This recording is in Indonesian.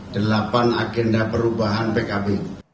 delapan agenda perubahan pkb